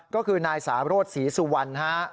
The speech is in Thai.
ก็คือนายสารสศรีสุวรรณฮะ